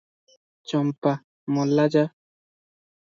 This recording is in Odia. ଚମ୍ପା - ମଲା ଯା!